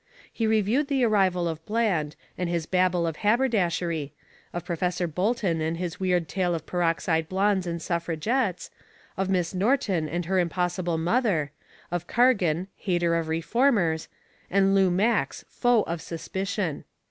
He reviewed the arrival of Bland and his babble of haberdashery, of Professor Bolton and his weird tale of peroxide blondes and suffragettes, of Miss Norton and her impossible mother, of Cargan, hater of reformers, and Lou Max, foe of suspicion.